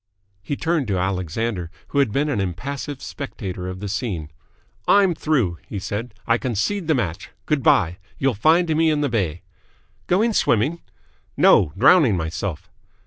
He turned to Alexander, who had been an impassive spectator of the scene. "I'm through!" he said. "I concede the match. Good bye. You'll find me in the bay!" "Going swimming?" "No. Drowning myself."